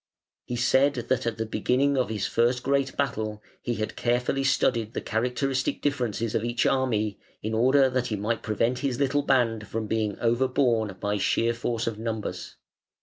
"He said that at the beginning of his first great battle he had carefully studied the characteristic differences of each army, in order that he might prevent his little band from being overborne by sheer force of numbers.